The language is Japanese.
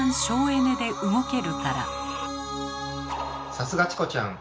さすがチコちゃん。